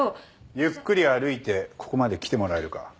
ゆっくり歩いてここまで来てもらえるか？